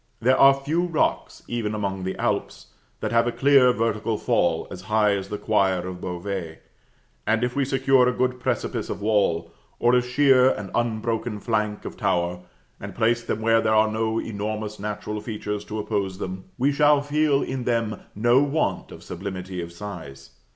There are few rocks, even among the Alps, that have a clear vertical fall as high as the choir of Beauvais; and if we secure a good precipice of wall, or a sheer and unbroken flank of tower, and place them where there are no enormous natural features to oppose them, we shall feel in them no want of sublimity of size.